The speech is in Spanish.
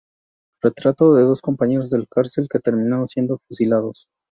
Retrato de dos compañeros de cárcel que terminaron siendo fusilados.